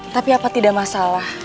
tapi apa tidak masalah